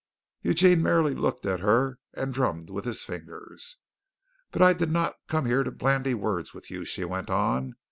Eugene merely looked at her and drummed with his fingers. "But I did not come here to bandy words with you," she went on.